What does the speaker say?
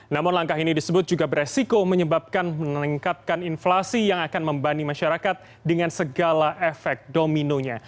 namun langkah ini disebut juga beresiko menyebabkan meningkatkan inflasi yang akan membanding masyarakat dengan segala efek dominonya